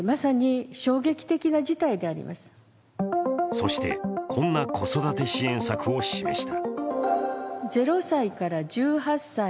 そしてこんな子育て支援策を示した。